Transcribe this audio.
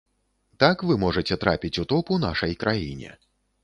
Так вы можаце трапіць у топ у нашай краіне.